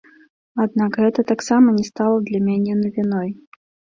Аднак гэта таксама не стала для мяне навіной.